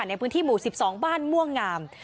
ในพื้นที่หมู่๑๒บ้านม่วงงาม